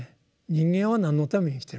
人間は何のために生きてるか。